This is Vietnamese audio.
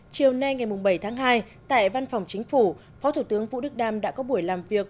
chiều nay ngày bảy tháng hai tại văn phòng chính phủ phó thủ tướng vũ đức đam đã có buổi làm việc